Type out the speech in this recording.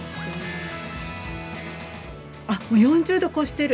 あっもう４０℃超してる。